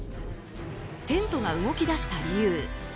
テントが動き出した理由。